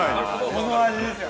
この味ですよ。